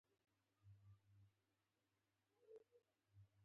په افغانستان کښی د ځنګلونو بیا نالولو ته ډیره اړتیا ده